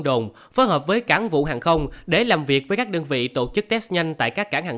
đồng phối hợp với cảng vụ hàng không để làm việc với các đơn vị tổ chức test nhanh tại các cảng hàng